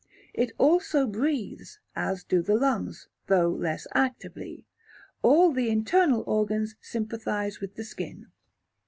It also "breathes," as do the lungs (though less actively). All the internal organs sympathize with the skin.